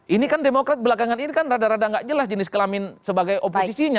ini kan demokrat belakangan ini kan rada rada nggak jelas jenis kelamin sebagai oposisinya